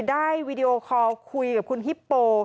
วีดีโอคอลคุยกับคุณฮิปโป